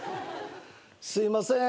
すいません。